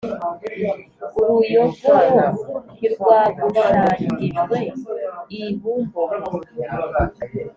uruyogoro ntirwagushangijwe i bumbogo: